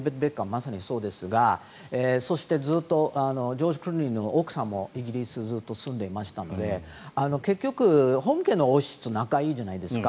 まさにそうですがジョージ・クルーニーの奥さんもイギリスにずっと住んでましたので結局、本家の王室と仲がいいじゃないですか。